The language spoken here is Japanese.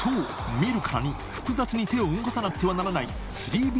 見るからに複雑に手を動かさなくてはならない灰咫璽肇